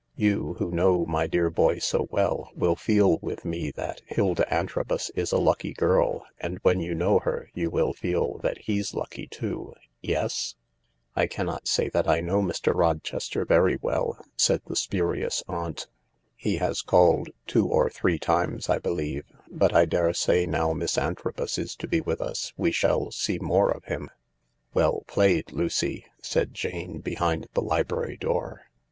You, who know my dear boy so well, will feel with me that Hilda Antrobus is a lucky girl, and when you know her you will feel that he's lucky too. Yes ?"" I cannot say that I know Mr. Rochester very well," said the spurious aunt. H He has called two or three times, I believe. But I daresay now Miss Antrobus is to be with us we shall see more of him." " Well played, Lucy !" said Jane, behind the library door.